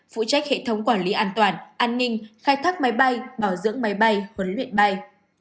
phụ trách hệ thống quản lý an toàn an ninh khai thác máy bay bảo dưỡng máy bay huấn luyện bay